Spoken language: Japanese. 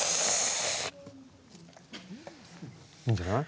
いいんじゃない？